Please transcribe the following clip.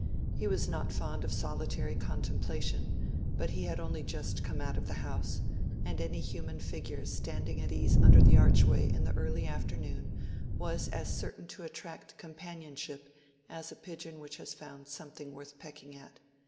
He was not fond of solitary contemplation, but he had only just come out of the house, and any human figure standing at ease under the archway in the early afternoon was as certain to attract companionship as a pigeon which has found something worth pecking at.